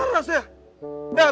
dah abis itu saya berubah